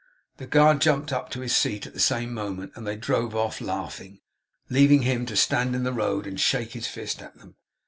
The guard jumped up to his seat at the same moment, and they drove off, laughing; leaving him to stand in the road and shake his fist at them.